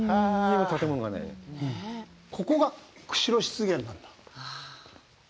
ここが釧路湿原なんだ。